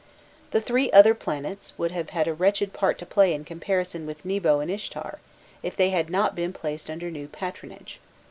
The three other planets would have had a wretched part to play in comparison with Nebo and Ishtar, if they had not been placed under new patronage.